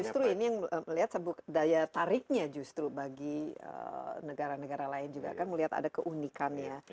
justru ini yang melihat daya tariknya justru bagi negara negara lain juga kan melihat ada keunikannya